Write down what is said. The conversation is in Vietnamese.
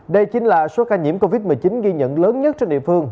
đây chính là số ca nhiễm covid một mươi chín ghi nhận lớn nhất trên địa phương